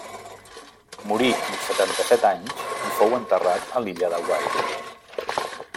Morí amb setanta-set anys, i fou enterrat a l'illa de Wight.